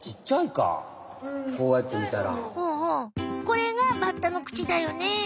これがバッタのクチだよね。